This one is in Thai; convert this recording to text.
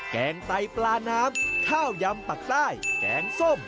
แกงไตปลาน้ำข้าวยำปักใต้แกงส้ม